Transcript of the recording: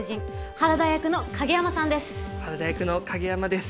原田役の影山です。